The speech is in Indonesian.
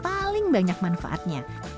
paling banyak manfaatnya